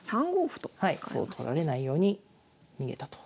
歩を取られないように逃げたと。